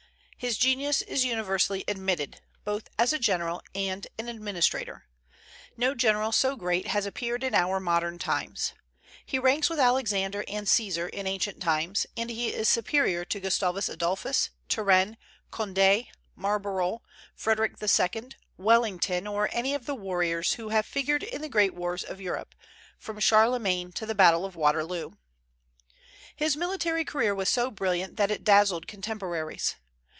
His genius is universally admitted, both as a general and an administrator. No general so great has appeared in our modern times. He ranks with Alexander and Caesar in ancient times, and he is superior to Gustavus Adolphus, Turenne, Condé, Marlborough, Frederic II., Wellington, or any of the warriors who have figured in the great wars of Europe, from Charlemagne to the battle of Waterloo. His military career was so brilliant that it dazzled contemporaries.